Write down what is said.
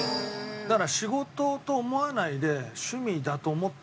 だから仕事と思わないで趣味だと思って来る。